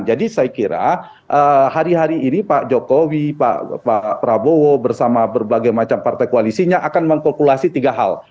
jadi saya kira hari hari ini pak jokowi pak prabowo bersama berbagai macam partai koalisinya akan mengkalkulasi tiga hal